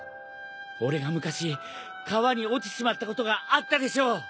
俺が昔川に落ちちまったことがあったでしょう？